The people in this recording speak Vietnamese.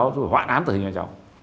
chú phải hoãn án tự hình cho cháu